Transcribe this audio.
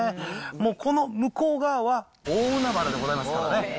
もうこの向こう側は大海原でございますからね。